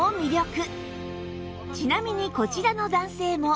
ちなみにこちらの男性も